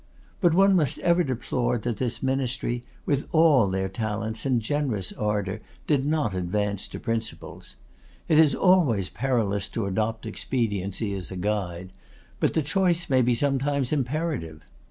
But one must ever deplore that this ministry, with all their talents and generous ardour, did not advance to principles. It is always perilous to adopt expediency as a guide; but the choice may be sometimes imperative.